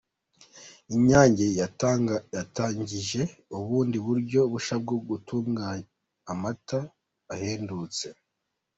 Inyange yatangije ubundi buryo bushya bwo gutanga amata ahendutse